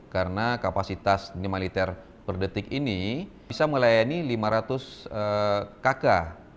karena kapasitas lima liter per detik ini bisa melayani lima ratus kakak